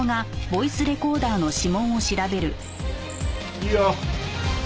いいよ。